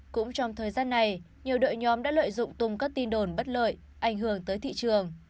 cũng trong thời gian này nhiều đội nhóm đã lợi dụng tung các tin đồn bất lợi ảnh hưởng tới thị trường